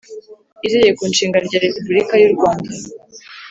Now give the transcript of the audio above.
y Itegeko Nshinga rya Repubulika y urwanda